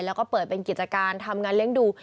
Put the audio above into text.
แล้วก็เปิดเป็นกิจการทำงานเลี้ยงดู